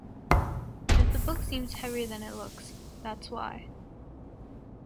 If the book seems heavier than it looks, that's why.